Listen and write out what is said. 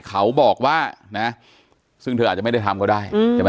เขาบอกว่านะฮะซึ่งเธออาจจะไม่ได้ทำก็ได้